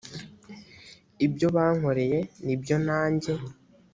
ibyo bankoreye ni byo nanjye